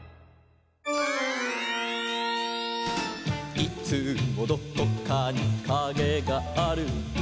「いつもどこかにかげがある」